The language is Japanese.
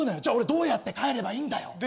じゃあ俺どうやって帰ればいいんだよ？